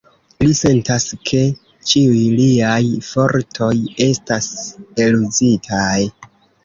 Li sentas, ke ĉiuj liaj fortoj estas eluzitaj.